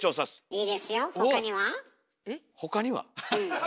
いいですよほかには？え？